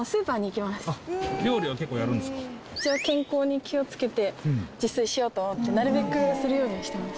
一応健康に気をつけて自炊しようと思ってなるべくするようにしてます。